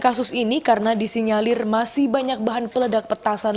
ketiga yang dikumpulkan oleh petasan